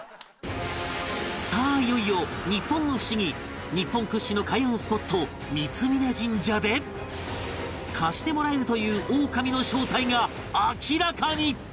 さあいよいよ日本のふしぎ日本屈指の開運スポット三峯神社で貸してもらえるというオオカミの正体が明らかに！